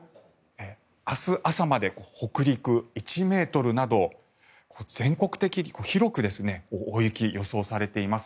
明日朝まで北陸１ｍなど全国的に広く大雪が予想されています。